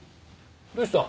どうした？